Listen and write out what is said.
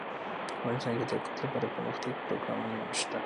افغانستان کې د یاقوت لپاره دپرمختیا پروګرامونه شته.